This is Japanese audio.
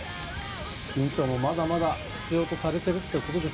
院長もまだまだ必要とされてるって事ですよ。